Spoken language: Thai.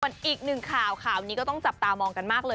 ส่วนอีกหนึ่งข่าวข่าวนี้ก็ต้องจับตามองกันมากเลย